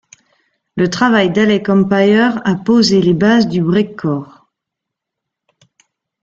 Le travail d'Alec Empire a posé les bases du breakcore.